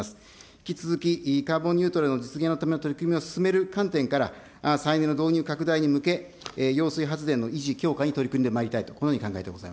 引き続きカーボンニュートラルの実現のための取り組みを進める観点から、再エネの導入拡大に向け、揚水発電の維持、強化に取り組んでまいりたいと、このように考え